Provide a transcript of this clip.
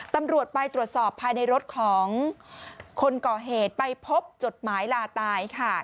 ตำรวจไปตรวจสอบภายในรถของคนก่อเหตุไปพบจดหมายลาตายค่ะ